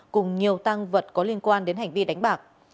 cùng nhiều tăng vật có liên quan đến hành vi đánh bạc